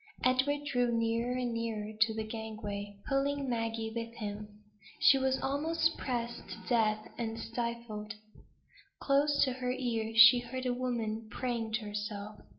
Edward drew nearer and nearer to the gangway, pulling Maggie with him. She was almost pressed to death, and stifled. Close in her ear, she heard a woman praying to herself.